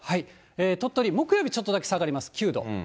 鳥取、木曜日ちょっとだけ下がります、９度。